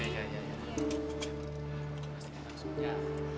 aduh kemana ya